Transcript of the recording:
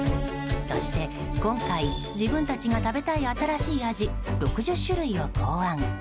そして今回、自分たちが食べたい新しい味６０種類を考案。